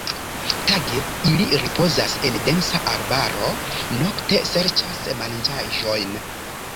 Tage ili ripozas en densa arbaro, nokte serĉas manĝaĵojn.